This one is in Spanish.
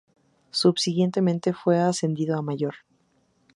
Subsiguientemente fue ascendido a Mayor.